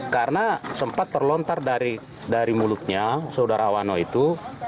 karena sempat terlontar dari mulutnya saudara awano itu